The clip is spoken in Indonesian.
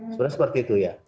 sebenarnya seperti itu ya